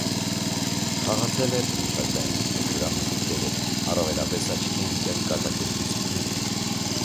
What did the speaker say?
Խաղացել է բնութագրային և դրամատիկ դերեր, առավելապես աչքի ընկել կատակերգություններում։